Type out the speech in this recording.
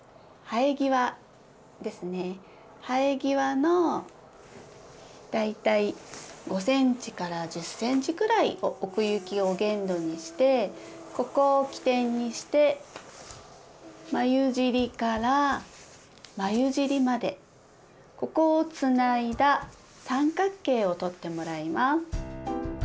生え際の大体５ｃｍ１０ｃｍぐらい奥行きを限度にしてここを基点にして眉尻から眉尻までここをつないだ三角形をとってもらいます。